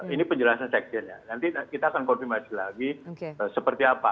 ini penjelasan sekjennya nanti kita akan konfirmasi lagi seperti apa